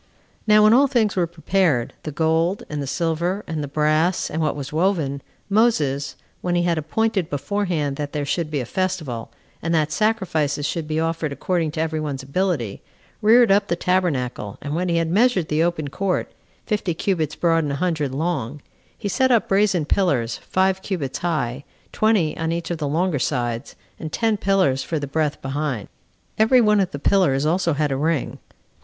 2. Now when all things were prepared, the gold, and the silver, and the brass, and what was woven, Moses, when he had appointed beforehand that there should be a festival, and that sacrifices should be offered according to every one's ability, reared up the tabernacle 12 and when he had measured the open court, fifty cubits broad and a hundred long, he set up brazen pillars, five cubits high, twenty on each of the longer sides, and ten pillars for the breadth behind; every one of the pillars also had a ring.